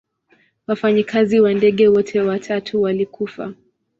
Wafanyikazi wa ndege wote watatu walikufa.